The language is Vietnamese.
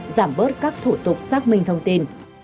giảm bớt các thủ tục xác minh thông tin